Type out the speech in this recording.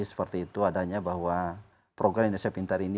seperti itu adanya bahwa program indonesia pintar ini